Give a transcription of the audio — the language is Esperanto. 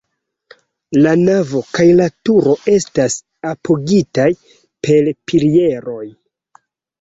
La navo kaj la turo estas apogitaj per pilieroj.